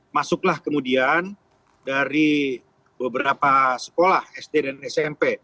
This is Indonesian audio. masuklah kemudian dari beberapa sekolah sd dan smp